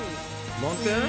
満点？